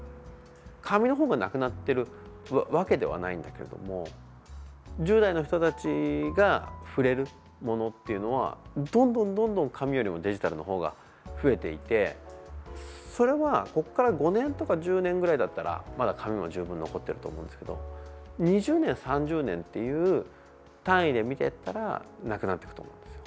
紙の方がなくなってるわけではないんだけれども１０代の人たちが触れるものっていうのはどんどん、どんどん紙よりもデジタルの方が増えていてそれは、ここから５年とか１０年ぐらいだったらまだ紙も十分残ってると思うんですけど２０年、３０年という単位で見ていったらなくなっていくと思うんですよ。